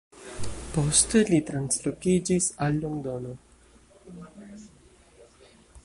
Poste li translokiĝis al Londono.